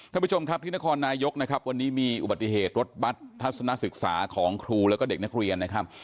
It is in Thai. ท่านผู้ชมครับที่นครนายกนะครับวันนี้มีอุบัติเหตุรถบัตรทัศนศึกษาของครูแล้วก็เด็กนักเรียนนะครับ